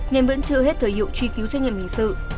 nên vẫn chưa hết thời hiệu truy cứu trách nhiệm hình sự